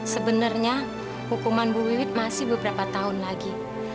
sebenarnya hukuman bu wiwit masih beberapa tahun lagi